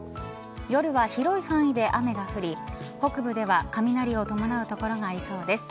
夜は広い範囲で雨が降り北部では雷を伴う所がありそうです。